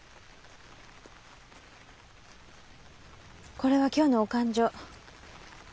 これは今日のお勘定。